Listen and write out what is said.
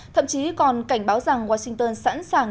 thậm chí còn cảnh báo rằng washington sẵn sàng